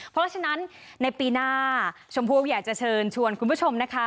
เพราะฉะนั้นในปีหน้าชมพู่อยากจะเชิญชวนคุณผู้ชมนะคะ